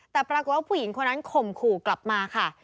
แต่ปรากฏว่าผู้หญิงคนนั้นข่มขู่กลับมาค่ะ